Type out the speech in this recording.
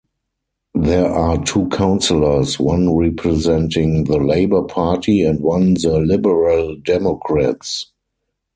There are two councillors, one representing the Labour Party and one the Liberal Democrats.